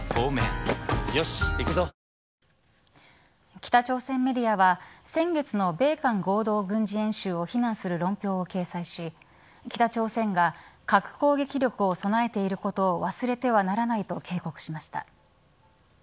北朝鮮メディアは先月の米韓合同軍事演習を非難する論評を掲載し北朝鮮が核攻撃力を備えていることを忘れてはならないと警告しました。